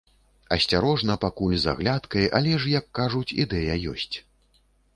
Асцярожна пакуль, з аглядкай, але ж, як кажуць, ідэя ёсць.